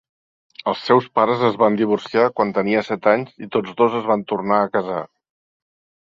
Els seus pares es van divorciar quan tenia set anys i tots dos es van tornar a casar.